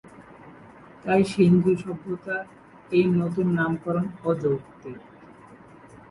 তাই সিন্ধু সভ্যতার এই নতুন নামকরণ অযৌক্তিক।